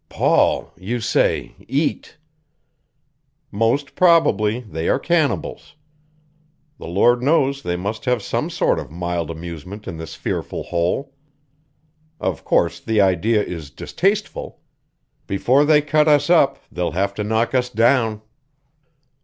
"Paul, you say eat " "Most probably they are cannibals. The Lord knows they must have some sort of mild amusement in this fearful hole. Of course, the idea is distasteful; before they cut us up they'll have to knock us down."